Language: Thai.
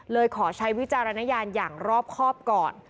เลยขอใช้วิจารณญาณอย่างรอบครอบก่อน